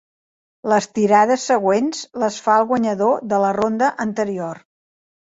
Les tirades següents les fa el guanyador de la ronda anterior.